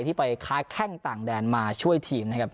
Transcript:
ที่ไปค้าแข้งต่างแดนมาช่วยทีมนะครับ